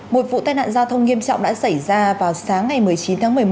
một vụ tai nạn giao thông nghiêm trọng đã xảy ra vào sáng ngày một mươi chín tháng một mươi một